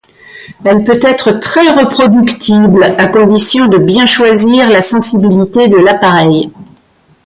Elle peut être très reproductible, à condition de bien choisir la sensibilité de l’appareil.